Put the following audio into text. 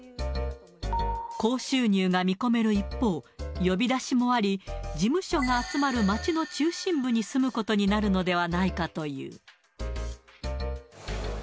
高収入が見込める一方、呼び出しもあり、事務所が集まる街の中心部に住むことになるのではないかという。